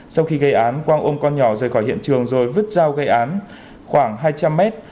sau khi gây án quang ôm con nhỏ rời khỏi hiện trường rồi vứt dao gây án khoảng hai trăm linh mét